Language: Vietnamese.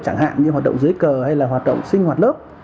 chẳng hạn như hoạt động dưới cờ hay là hoạt động sinh hoạt lớp